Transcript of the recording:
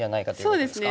そうですね。